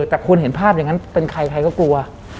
แต่คุณเห็นภาพอย่างนั้นเป็นใครใครก็กลัว